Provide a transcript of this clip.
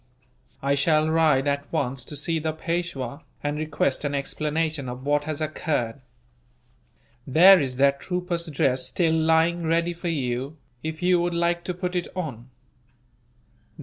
I shall ride, at once, to see the Peishwa, and request an explanation of what has occurred. There is that trooper's dress still lying ready for you, if you would like to put it on.